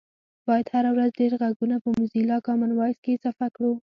باید هره ورځ ډېر غږونه په موزیلا کامن وایس کې اضافه کړو